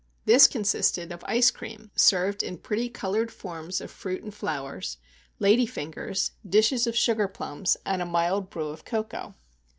This consisted of ice cream, served in pretty coloured forms of fruits and flowers; lady fingers; dishes of sugar plums, and a mild brew of cocoa.